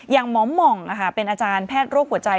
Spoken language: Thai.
หมอหม่องเป็นอาจารย์แพทย์โรคหัวใจ